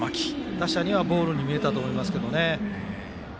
打者にはボールに見えたと思いますけどね。